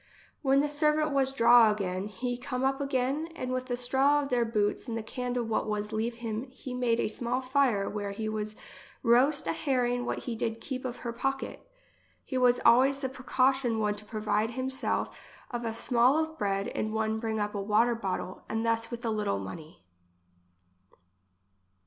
When the servant was draw again, he come up again, and with the straw of their boots, and the candle what was leave him he English as she is spoke. 51 made a small fire where he was roast a herring what he did keep of her pocket. He was al ways the precaution one to provide him self of a small of bread and one bring up a water bot tle, and thus with a little money.